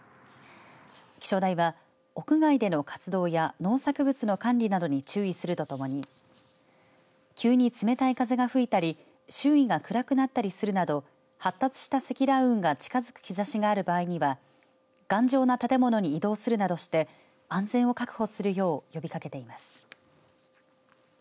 気象台は屋外での活動や農作物の管理などに注意するとともに急に冷たい風が吹いたり周囲が暗くなったりするなど発達した積乱雲が近づく兆しがある場合には頑丈な建物に移動するなどして安全を確保するよう呼びかけています。